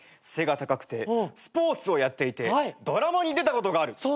背が高くてスポーツをやっていてドラマに出たことがある。